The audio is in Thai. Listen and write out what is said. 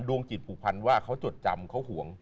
ดวงกิจหัวทานว่าเขาจอดจำเขาห่วง